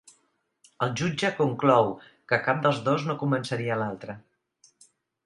El jutge conclou que cap dels dos no convenceria l’altre.